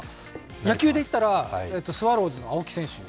野球でいったら、スワローズの青木選手。